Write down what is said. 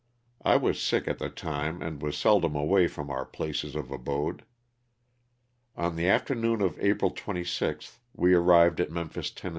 I was sick at the time and was seldom away from our place of abode. On the afternoon of April 26th we arrived at Memphis, Tenn.